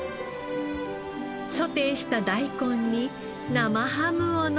ソテーした大根に生ハムをのせて。